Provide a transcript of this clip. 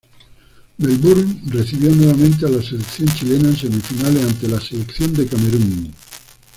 Melbourne recibió nuevamente a la selección chilena en semifinales ante la selección de Camerún.